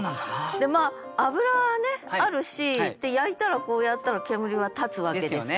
でまあ脂あるし焼いたらこうやったら煙は立つわけですから。